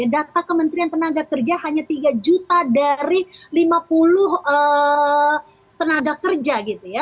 data kementerian tenaga kerja hanya tiga juta dari lima puluh tenaga kerja gitu ya